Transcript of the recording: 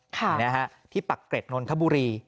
ค่ะนะฮะที่ปักเกร็ดนนทบุรี